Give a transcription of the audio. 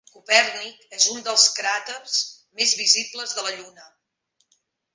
Copèrnic és un dels cràters més visibles de la Lluna.